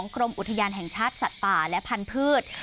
กรมอุทยานแห่งชาติสัตว์ป่าและพันธุ์